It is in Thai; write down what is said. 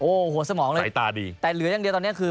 โอ้โหสมองเลยสายตาดีแต่เหลืออย่างเดียวตอนนี้คือ